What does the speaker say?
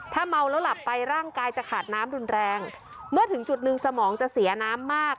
ถ้าเมาแล้วหลับไปร่างกายจะขาดน้ำรุนแรงเมื่อถึงจุดหนึ่งสมองจะเสียน้ำมาก